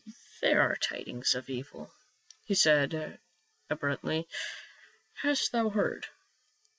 " There are tidings of evil," he said ab ruptly. " Hast thou heard